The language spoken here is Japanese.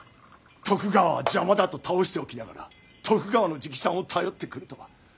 徳川は邪魔だと斃しておきながら徳川の直参を頼ってくるとはなんと恥知らずな！